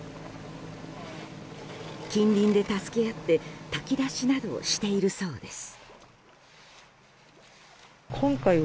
近隣で助け合って炊き出しなどしているそうです。